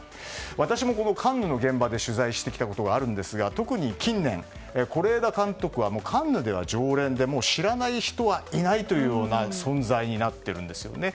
私もカンヌの現場で取材してきたことがあるんですが特に近年、是枝監督はカンヌでは常連で、もう知らない人はいないというような存在になっているんですね。